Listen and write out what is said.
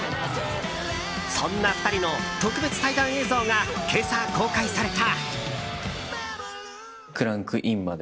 そんな２人の特別対談映像が今朝、公開された。